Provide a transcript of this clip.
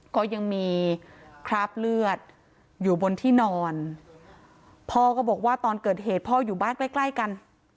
ก็ยังมีคราบเลือดอยู่บนที่นอนพ่อก็บอกว่าตอนเกิดเหตุพ่ออยู่บ้านใกล้ใกล้กัน